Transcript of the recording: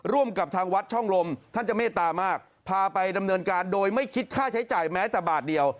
ร่วมกับทางวัดช่องลมท่านจะเมตตามากพาไปดำเนินการโดยไม่คิดค่าใช้จ่ายแม้แต่บาทเดียว